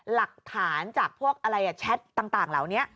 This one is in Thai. หลักฐานจากพวกอะไรแชทต่างเหล่านี้